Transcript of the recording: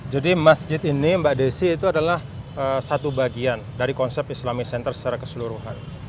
masjid ini mbak desi itu adalah satu bagian dari konsep islamis center secara keseluruhan